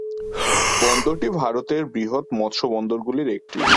বন্দরটি ভারতের বৃহৎ মৎস্য বন্দর গুলির একটি।